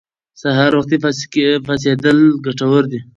سهار وختي پاڅېدل ګټور دي.